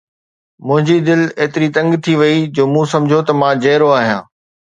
منهنجي دل ايتري تنگ ٿي وئي جو مون سمجهيو ته مان جيئرو آهيان